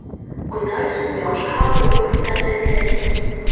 Уйнар өсөн яҡшы һауалы урындарҙы эҙләгеҙ.